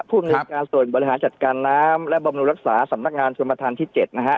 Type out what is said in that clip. ภูมิในการส่วนบริหารจัดการน้ำและบำรุงรักษาสำนักงานชนประธานที่๗นะฮะ